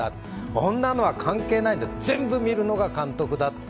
そんなのは関係ない、全部見るのが監督だ。